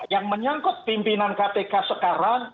yang menyangkut pimpinan kpk sekarang